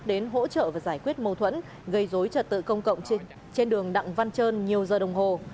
đến hỗ trợ và giải quyết mâu thuẫn gây dối trật tự công cộng trên đường đặng văn trơn nhiều giờ đồng hồ